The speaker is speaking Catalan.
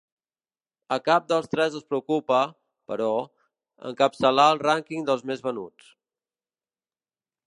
A cap dels tres els preocupa, però, encapçalar el rànquing dels més venuts.